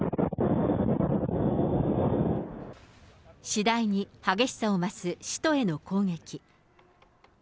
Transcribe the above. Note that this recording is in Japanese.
次第に激しさを増す首都への攻撃。